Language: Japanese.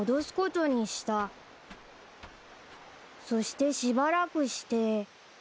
［そしてしばらくして］